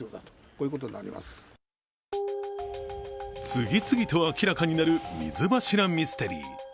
次々と明らかになる水柱ミステリー。